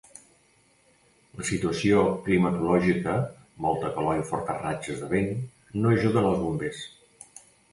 La situació climatològica, molta calor i fortes ratxes de vent, no ajuden als bombers.